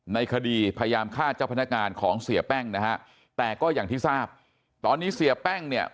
ในคดีพยายามฆ่าเจ้าพนักงานของเสียแป้งนะฮะแต่ก็อย่างที่ทราบตอนนี้เสียแป้งเนี่ย